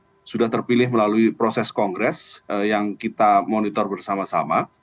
pertama pak erick thohir mempilih melalui proses kongres yang kita monitor bersama sama